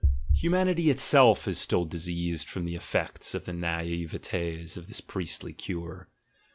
iHumanity itself is still diseased from the effects of the naivetes of this priestly cure.